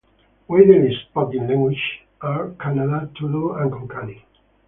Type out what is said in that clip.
Widely spoken languages are Kannada, Tulu and Konkani.